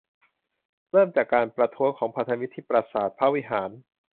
เริ่มจากการประท้วงของพันธมิตรที่ปราสาทพระวิหาร